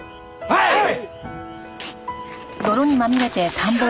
はい！